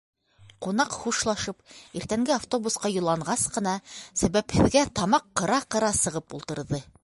Ҡунаҡ хушлашып, иртәнге автобусҡа юлланғас ҡына, сәбәпһеҙгә тамаҡ ҡыра-ҡыра сығып ултырҙы.